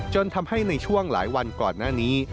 ทำให้ในช่วงหลายวันก่อนหน้านี้